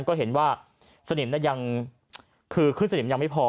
ก็เห็นว่าสนิมนั้นยังคือคือสนิมยังไม่พอ